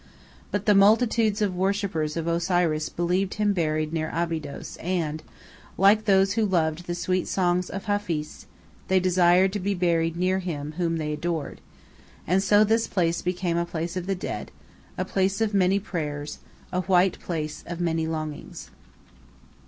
But multitudes of worshippers of Osiris believed him buried near Abydos and, like those who loved the sweet songs of Hafiz, they desired to be buried near him whom they adored; and so this place became a place of the dead, a place of many prayers, a white place of many longings.